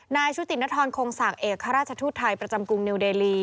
ชุตินทรคงศักดิ์เอกราชทูตไทยประจำกรุงนิวเดลี